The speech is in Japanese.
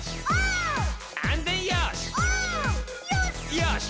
「よし！」